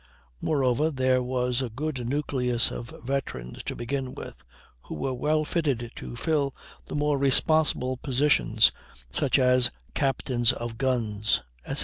Moreover, there was a good nucleus of veterans to begin with, who were well fitted to fill the more responsible positions, such as captains of guns, etc.